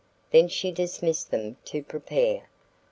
Then she dismissed them to prepare.